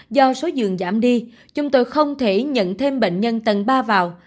do số giường giảm đi chúng tôi không thể nhận thêm bệnh nhân tầng ba vào